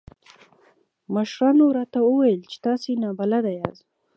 مشرانو راته وويل چې تاسې نابلده ياست.